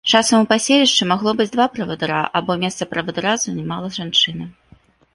Часам у паселішчы магло быць два правадыра, або месца правадыра займала жанчына.